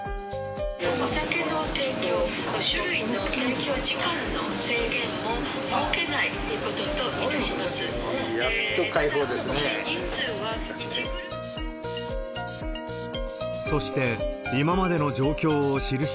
お酒の提供、酒類の提供時間の制限も設けないということといたします。